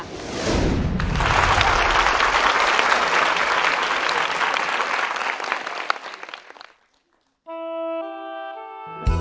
สัมภัยบรรยาย